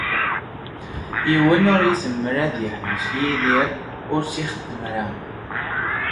Yiwen ur izemmer ad d-iḥbes Yidir ur tt-ixeddem ara.